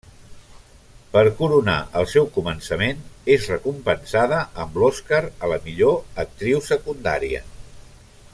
Per coronar el seu començament, és recompensada amb l'Oscar a la millor actriu secundària.